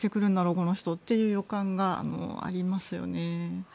この人っていう予感がありますよね。